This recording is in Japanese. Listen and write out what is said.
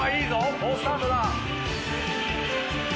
好スタートだ。